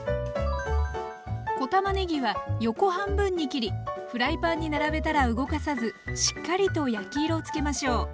小たまねぎは横半分に切りフライパンに並べたら動かさずしっかりと焼き色をつけましょう。